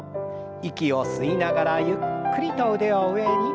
息を吸いながらゆっくりと腕を上に。